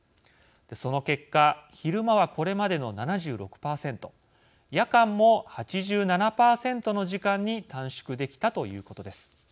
その結果昼間はこれまでの７６％夜間も８７％の時間に短縮できたということです。